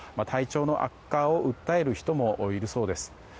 体調の悪化を訴える人もいるそうです。